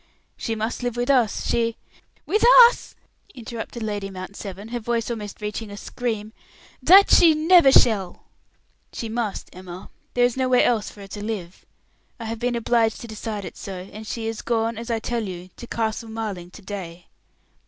"She must live with us. She " "With us!" interrupted Lady Mount Severn, her voice almost reaching a scream. "That she never shall." "She must, Emma. There is nowhere else for her to live. I have been obliged to decide it so; and she is gone, as I tell you, to Castle Marling to day."